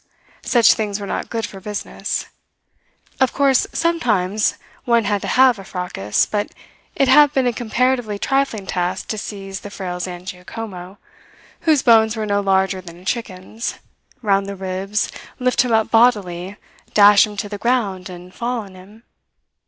Such things were not good for business. Of course, sometimes one had to have a "fracas;" but it had been a comparatively trifling task to seize the frail Zangiacomo whose bones were no larger than a chicken's round the ribs, lift him up bodily, dash him to the ground, and fall on him.